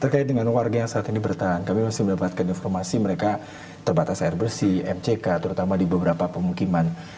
terkait dengan warga yang saat ini bertahan kami masih mendapatkan informasi mereka terbatas air bersih mck terutama di beberapa pemukiman